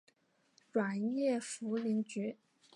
软叶茯苓菊